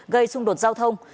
gây xung đột giao thông